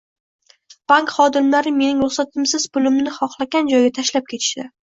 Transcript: Bank xodimlari mening ruxsatimsiz pulimni xohlagan joyga tashlab ketishdi